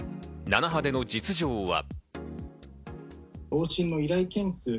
７波での実情は？